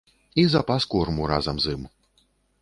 І запас корму разам з ім.